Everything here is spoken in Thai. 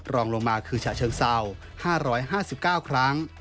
รองลงมาคือฉะเชิงเศร้า๕๕๙ครั้ง